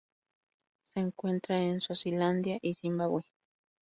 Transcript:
Se encuentra en Suazilandia y Zimbabue.